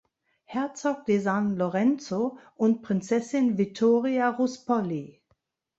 Herzog de San Lorenzo, und Prinzessin Vittoria Ruspoli.